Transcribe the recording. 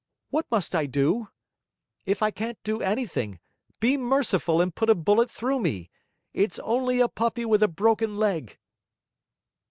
What must I do? If I can't do anything, be merciful and put a bullet through me; it's only a puppy with a broken leg!'